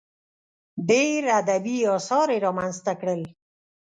ډېر ادبي اثار یې رامنځته کړل.